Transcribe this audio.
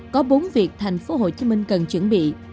có bốn việc tp hcm cần chuẩn bị